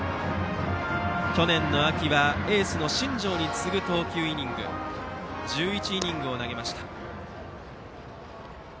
去年秋はエースの新庄に次ぐ投球イニングで１１イニングを投げました。